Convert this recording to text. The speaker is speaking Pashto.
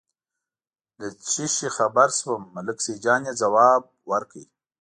له څه شي خبر شوم، ملک سیدجان یې ځواب ورکړ.